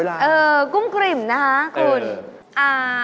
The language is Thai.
กลับไปก่อนเลยนะครับ